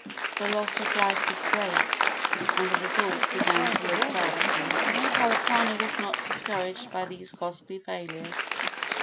The loss of life was great, and the result began to look doubtful. But Kalapana was not discouraged by these costly failures.